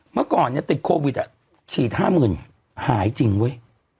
เมื่อก่อนติดโควิดฉีด๕๐๐๐หายจริงเว้ย